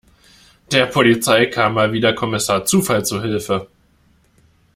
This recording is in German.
Der Polizei kam mal wieder Kommissar Zufall zur Hilfe.